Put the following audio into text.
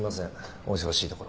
お忙しいところ。